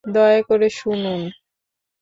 দয়া করে শুনুন!